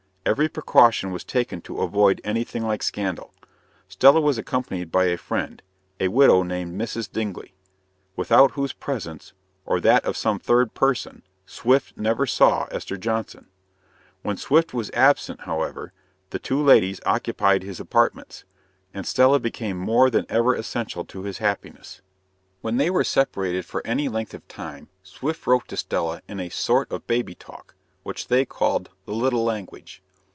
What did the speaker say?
Every precaution was taken to avoid anything like scandal. Stella was accompanied by a friend a widow named Mrs. Dingley without whose presence, or that of some third person, Swift never saw Esther Johnson. When Swift was absent, how ever, the two ladies occupied his apartments; and Stella became more than ever essential to his happiness. When they were separated for any length of time Swift wrote to Stella in a sort of baby talk, which they called "the little language."